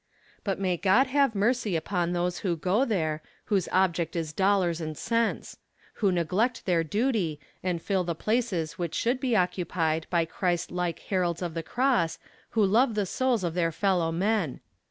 But may God have mercy upon those who go there, whose object is dollars and cents who neglect their duty, and fill the places which should be occupied by Christ like heralds of the cross who love the souls of their fellow men.